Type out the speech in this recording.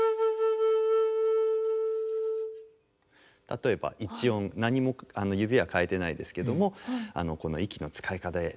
例えば一音何も指は変えてないですけどもこの息の使い方で。